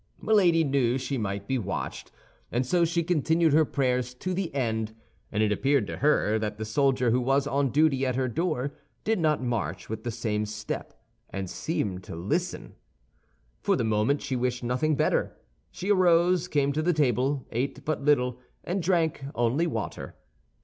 Milady knew she might be watched, so she continued her prayers to the end; and it appeared to her that the soldier who was on duty at her door did not march with the same step, and seemed to listen. For the moment she wished nothing better. She arose, came to the table, ate but little, and drank only water.